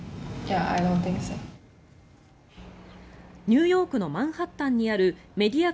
ニューヨークのマンハッタンにあるメディア